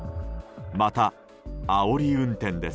また、あおり運転です。